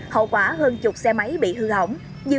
hậu quả hơn chục xe máy bị hư hỏng